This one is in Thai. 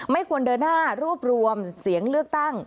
ไม่ควรเดินหน้ารวบรวมเสียงเลือกตั้ง